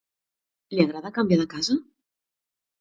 Li agrada canviar de casa?